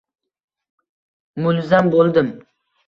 Mulzam bo‘ldim.